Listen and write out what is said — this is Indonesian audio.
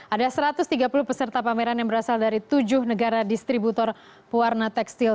ada satu ratus tiga puluh peserta pameran yang berasal dari tujuh negara distributor pewarna tekstil